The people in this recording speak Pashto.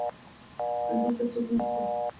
دلته څوک نسته